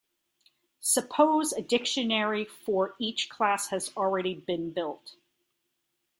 Suppose a dictionary for each class has already been built.